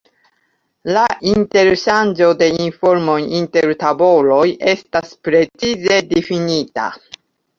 La interŝanĝo de informoj inter tavoloj estas precize difinita.